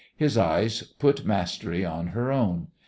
His eyes put mastery on her own.